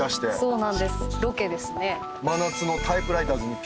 そうなんですロケですね。